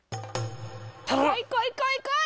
こいこいこいこい！